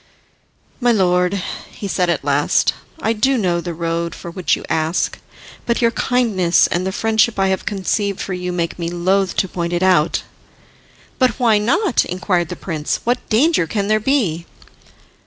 "My lord," he said at last, "I do know the road for which you ask, but your kindness and the friendship I have conceived for you make me loth to point it out." "But why not?" inquired the prince. "What danger can there be?"